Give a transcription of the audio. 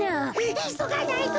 いそがないと。